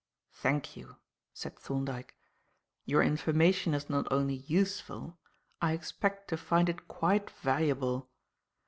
"Thank you," said Thorndyke; "your information is not only useful; I expect to find it quite valuable.